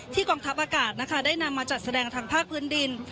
กองทัพอากาศนะคะได้นำมาจัดแสดงทางภาคพื้นดิน